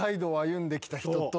歩んできた人と。